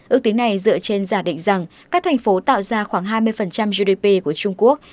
ước tính này dựa trên giả định rằng các thành phố tạo ra khoảng hai mươi gdp của trung quốc